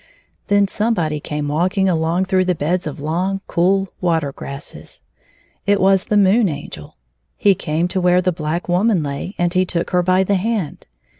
Then somebody came walking along through the beds of long, cool water grasses. It was the Moon Angel. He came to where the black woman lay, and he took her by the hand.